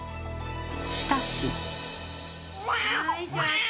しかし。